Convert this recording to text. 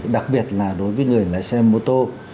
đặc biệt là đối với người lái xe mô tô